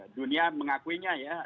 dunia mengakuinya ya